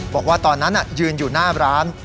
บอกว่าตอนนั้นยืนอยู่หน้าร้าน